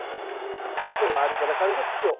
で周りから軽く土を。